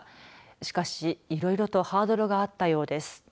しかしいろいろとハードルがあったようです。